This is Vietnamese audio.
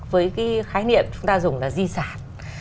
với cái khái niệm chúng ta dùng là di sản